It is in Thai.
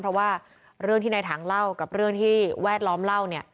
เพราะว่าเรื่องที่ในถังเล่ากับเรื่องที่แวดล้อมเล่าเนี่ย